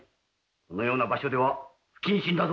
このような場所では不謹慎だぞ。